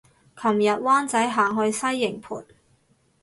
琴日灣仔行去西營盤